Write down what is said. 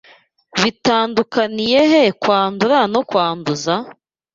Bitandukaniye kwandura no kwanduza?